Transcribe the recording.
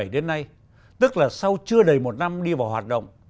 đến nay tức là sau chưa đầy một năm đi vào hoạt động